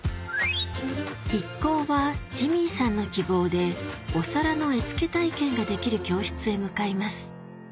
一行はジミーさんの希望でお皿の絵付け体験ができる教室へ向かいます